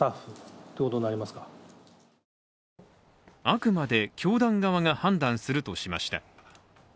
あくまで教団側が判断するとしました。